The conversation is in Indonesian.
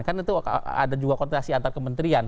kan itu ada juga kontestasi antar kementerian